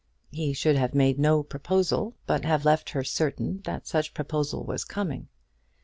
He should have made no proposal, but have left her certain that such proposal was coming.